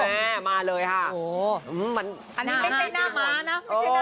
แม่มาเลยค่ะอันนี้ไม่ใช่หน้าม้านะไม่ใช่หน้าม้านะ